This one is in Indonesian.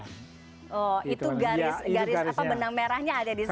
itu garis benang merahnya ada disitu